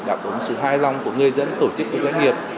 đạo đống số hai lòng của người dân tổ chức doanh nghiệp